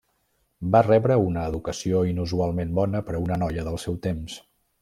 Va rebre una educació inusualment bona per a una noia del seu temps.